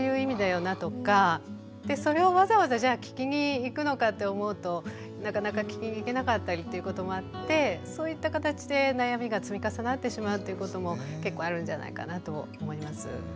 それをわざわざじゃあ聞きに行くのかって思うとなかなか聞きに行けなかったりっていうこともあってそういった形で悩みが積み重なってしまうっていうことも結構あるんじゃないかなと思います。